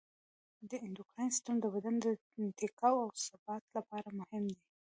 د اندوکراین سیستم د بدن د ټیکاو او ثبات لپاره مهم دی.